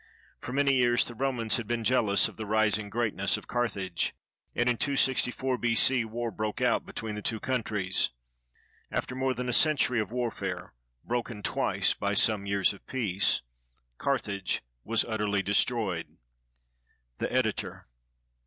For many years the Romans had been jealous of the rising greatness of Carthage, and in 264 B.C. war broke out between the two countries. After more than a century of warfare, broken twice by some years of peace, Carthage was utterly destroyed. The Editor.